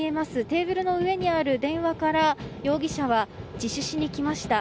テーブルの上の電話から容疑者は自首しに来ました。